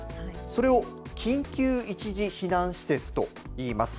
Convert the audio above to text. それを緊急一時避難施設といいます。